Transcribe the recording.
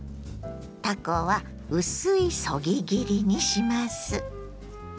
たこは薄いそぎ切りにします。